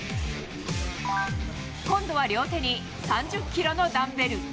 今度は両手に３０キロのダンベル。